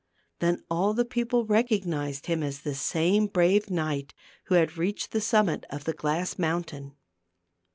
Then all the people recognized him as the same brave knight who had reached the summit of the glass mountain.